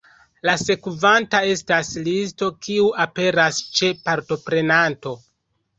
La sekvanta estas listo, kiu aperas ĉe partoprenanto.